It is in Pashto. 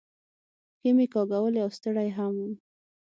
پښې مې کاږولې او ستړی هم ووم.